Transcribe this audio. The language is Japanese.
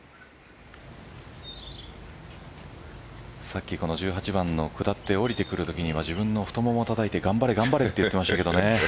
さっき１８番の下って下りてくるときには自分の太ももをたたいて頑張れと言っていましたね。